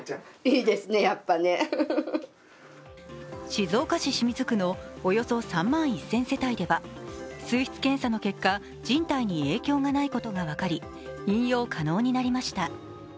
静岡市清水区のおよそ３万１０００世帯では水質検査の結果、人体に影響がないことが分かり、飲用可能になりました。